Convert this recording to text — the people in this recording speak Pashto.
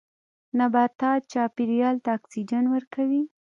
نباتات چاپیریال ته اکسیجن ورکوي